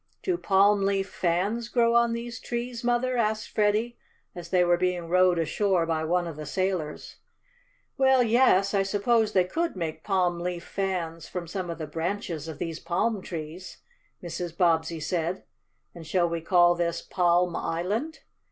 "Do palm leaf fans grow on these trees, Mother?" asked Freddie as they were being rowed ashore by one of the sailors. "Well, yes, I suppose they could make palm leaf fans from some of the branches of these palm trees," Mrs. Bobbsey said. "And shall we call this Palm Island?